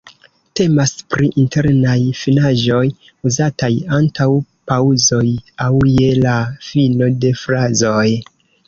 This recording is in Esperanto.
Temas pri „internaj finaĵoj“, uzataj antaŭ paŭzoj aŭ je la fino de frazoj.